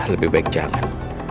lebih baik jangan